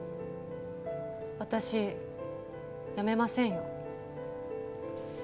私辞めませんよ。